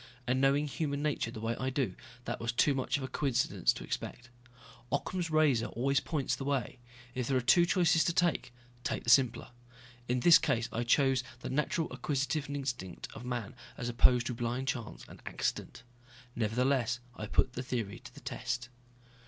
And knowing human nature the way I do, that was too much of a coincidence to expect. Occam's razor always points the way. If there are two choices to take, take the simpler. In this case I chose the natural acquisitive instinct of man as opposed to blind chance and accident. Nevertheless I put the theory to the test.